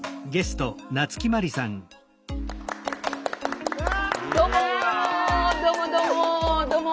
どうもどうもどうもどうもどうも。